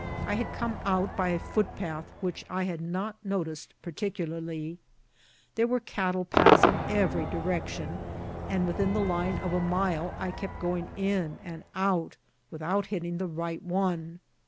I had come out by a footpath vrhich I had not noticed particularly. There were cattle paths in every direction, and within the line of a mile I kept going in and out, without hittiug the right one.